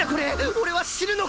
俺は死ぬのか！？